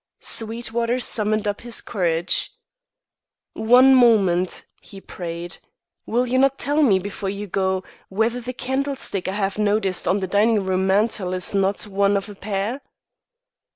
Sweetwater summoned up his courage. "One moment," he prayed. "Will you not tell me, before you go, whether the candlestick I have noticed on the dining room mantel is not one of a pair?"